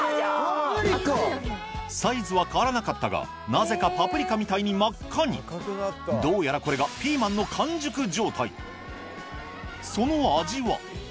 サイズは変わらなかったがなぜかパプリカみたいに真っ赤にどうやらこれがピーマンのその味は？